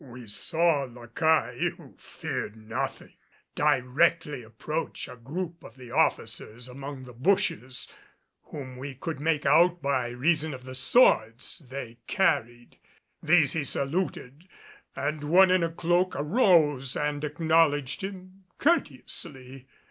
We saw La Caille, who feared nothing, directly approach a group of the officers among the bushes, whom we could make out by reason of the swords they carried. These he saluted, and one in a cloak arose and acknowledged him courteously.